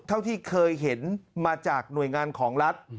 เท่าที่เคยเห็นมาจากหน่วยงานของรัฐ